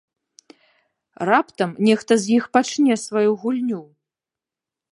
Раптам нехта з іх пачне сваю гульню?